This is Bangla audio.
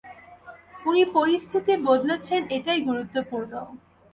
উনি পরিস্থিতি বদলেছেন এটাই গুরুত্বপূর্ণ।